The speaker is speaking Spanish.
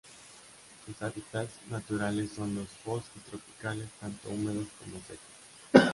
Sus hábitats naturales son los bosques tropicales tanto húmedos como secos.